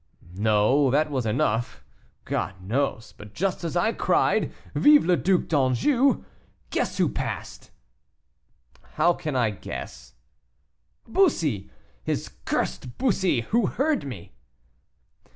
"No, that was enough, God knows; but just as I cried, 'Vive le Duc d'Anjou,' guess who passed." "How can I guess?" "Bussy; his cursed Bussy, who heard me."